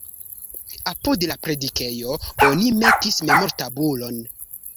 Apud la predikejo oni metis memortabulon.